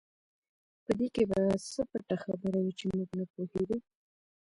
په دې کې به څه پټه خبره وي چې موږ نه پوهېږو.